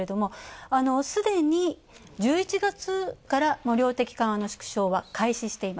すでに、１１月から量的緩和の縮小は開始している。